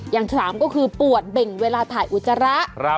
อย่างที่สามก็คือปวดเบ่งเวลาถ่ายอุจจาระ